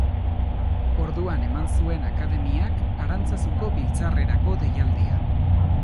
Orduan eman zuen akademiak Arantzazuko biltzarrerako deialdia.